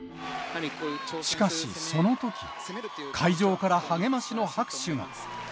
しかし、そのとき、会場から励ましの拍手が。